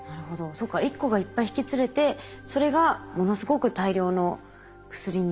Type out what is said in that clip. そうか一個がいっぱい引き連れてそれがものすごく大量の薬になるっていうことなんですね。